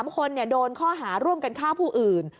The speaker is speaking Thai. ๓คนโดนข้อหาร่วมกันฆ่าผู้อื่น